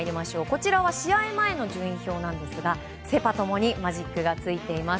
こちらは試合前の順位表なんですがセ・パ共にマジックがついています。